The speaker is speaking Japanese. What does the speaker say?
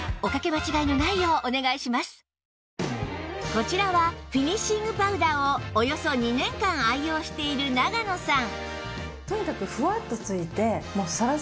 こちらはフィニッシングパウダーをおよそ２年間愛用している長野さん